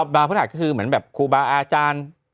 พฤหัสก็คือเหมือนแบบครูบาอาจารย์